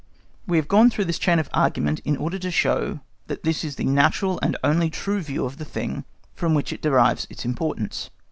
We have gone through this chain of argument in order to show that this is the natural and only true view of the thing from which it derives its importance.